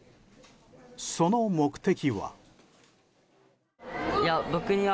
その目的は。